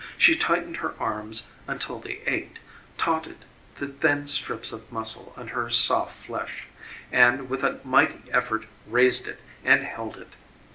She tightened her arms until they ached, tauted the thin strips of muscle under her soft flesh, and with a mighty effort raised it and held it.